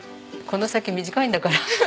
この先短いんだから。